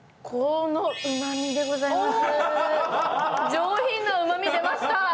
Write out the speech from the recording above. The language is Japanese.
上品なうまみ、出ました。